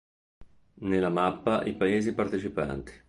Nella mappa i Paesi partecipanti.